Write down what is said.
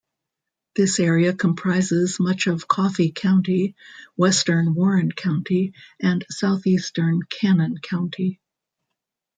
This area comprises much of Coffee County, western Warren County, and southeastern Cannon County.